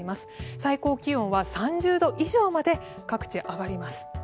最高気温は３０度以上まで各地、上がります。